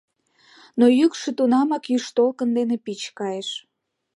Но йӱкшӧ тунамак юж толкын дене пич кайыш.